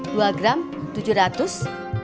dua gram tujuh ratus